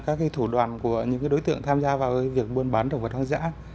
các cái thủ đoàn của những cái đối tượng tham gia vào việc buôn bán động vật hoang dã